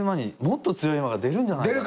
もっと強い馬が出るんじゃないか。